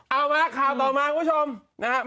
เอาล่ะข่าวต่อมาคุณผู้ชมนะครับ